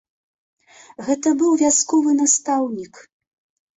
Гэта быў вясковы настаўнік.